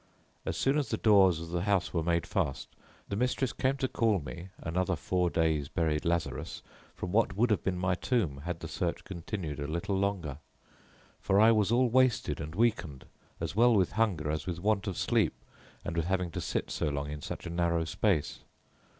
As soon as the doors of the house were made fast, the mistress came to call me, another four days buried Lazarus, from what would have been my tomb, had the search continued a little longer. For I was all wasted and weakened as well with hunger as with want of sleep and with having to sit so long in such a narrow space.